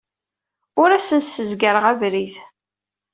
Ur asen-ssezgareɣ abrid.